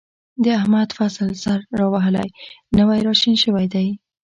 د احمد فصل سر را وهلی، نوی را شین شوی دی.